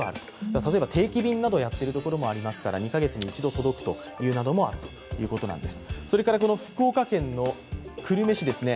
例えば定期便などをやっているところもありますから、２カ月に一度届くところもあるということです。